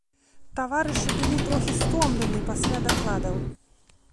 Таварышы былі трохі стомлены пасля дакладаў.